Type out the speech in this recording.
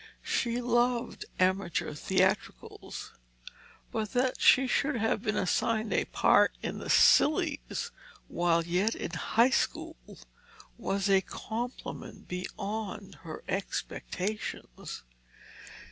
She loved amateur theatricals. But that she should have been assigned a part in the Sillies while yet in High School was a compliment beyond her expectations.